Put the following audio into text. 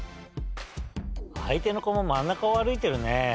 あいての子も真ん中を歩いてるね。